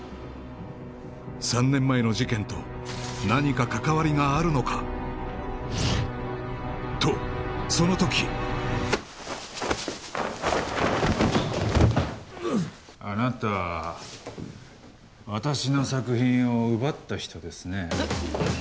３年前の事件と何か関わりがあるのかとその時あなた私の作品を奪った人ですね